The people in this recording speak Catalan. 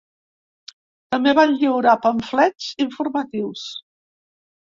També van lliurar pamflets informatius.